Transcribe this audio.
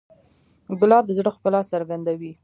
ګلاب د زړه ښکلا څرګندوي.